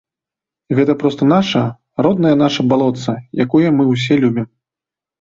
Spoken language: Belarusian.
Гэта проста наша, роднае наша балотца, якое мы ўсе любім.